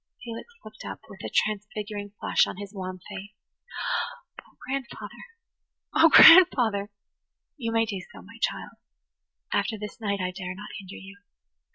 Felix looked up, with a transfiguring flush on his wan face. "Oh grandfather! Oh, grandfather!" "You may do so, my child. After this night I dare not hinder you.